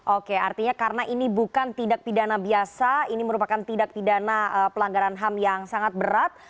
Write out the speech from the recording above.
oke artinya karena ini bukan tindak pidana biasa ini merupakan tindak pidana pelanggaran ham yang sangat berat